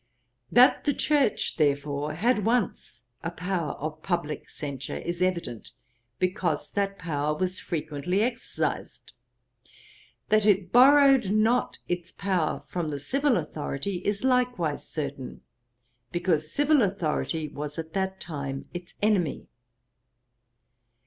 'That the Church, therefore, had once a power of publick censure is evident, because that power was frequently exercised. That it borrowed not its power from the civil authority, is likewise certain, because civil authority was at that time its enemy.